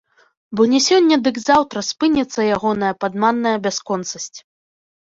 Бо не сёння дык заўтра спыніцца ягоная падманная бясконцасць.